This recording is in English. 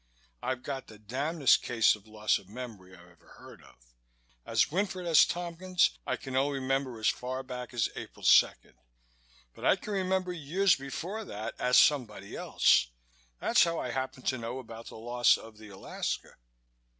I've got the damndest case of loss of memory I've ever heard of. As Winfred S. Tompkins I can only remember as far back as April second, but I can remember years before that as somebody else. That's how I happen to know about the loss of the Alaska."